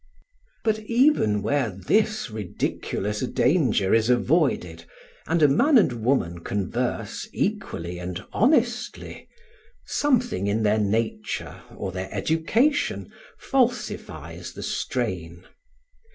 But even where this ridiculous danger is avoided, and a man and woman converse equally and honestly, something in their nature or their education falsifies the strain.